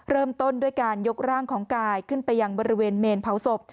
เริ่มต้นด้วยการยกร่างของกายขึ้นไปยังบริเวณเมนเผาศพ